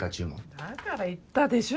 だから言ったでしょ